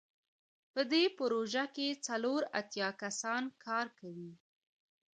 په دې پروژه کې څلور اتیا کسان کار کوي.